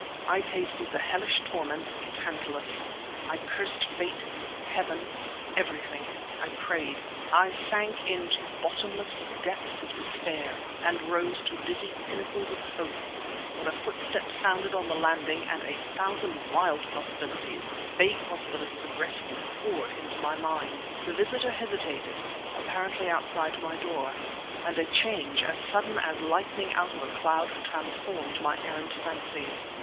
I tasted the hellish torments of Tantalus. I cursed fate, heaven, everything; I prayed; I sank into bottomless depths of despair and rose to dizzy pinnacles of hope, when a footstep sounded on the landing and a thousand wild possibilities, vague possibilities of rescue, poured into my mind. The visitor hesitated, apparently outside my door; and a change, as sudden as lightning out of a cloud, transformed my errant fancies.